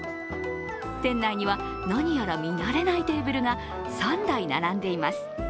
店内には、なにやら見慣れないテーブルが３台並んでいます。